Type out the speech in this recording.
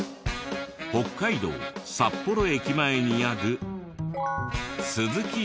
北海道札幌駅前にある。